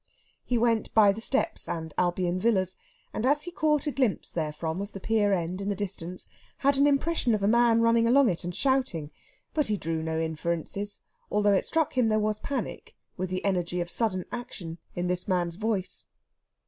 He went by the steps and Albion Villas, and as he caught a glimpse therefrom of the pier end in the distance, had an impression of a man running along it and shouting; but he drew no inferences, although it struck him there was panic, with the energy of sudden action, in this man's voice.